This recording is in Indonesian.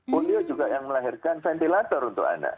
beliau juga yang melahirkan ventilator untuk anak